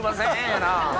やな。